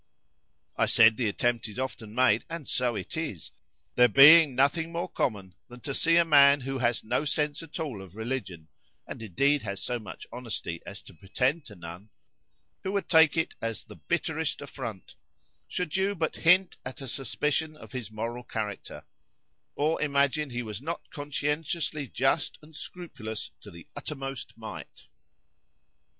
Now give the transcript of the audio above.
"I said the attempt is often made; and so it is;——there being nothing "more common than to see a man who has no sense at all of religion, and indeed has so much honesty as to pretend to none, who would take it as the bitterest affront, should you but hint at a suspicion of his moral character,——or imagine he was not conscientiously just and scrupulous to the uttermost mite.